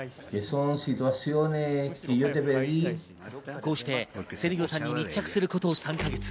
こうしてセルヒオさんに密着すること３か月。